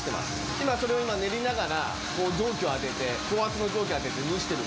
今それを今、練りながら、蒸気を当てて、高圧の蒸気を上げて蒸してる。